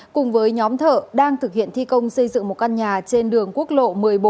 cùng với nhóm thợ đang thực hiện thi công xây dựng một căn nhà trên đường quốc lộ một mươi bốn